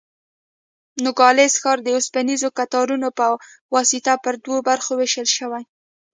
نوګالس ښار د اوسپنیزو کټارو په واسطه پر دوو برخو وېشل شوی.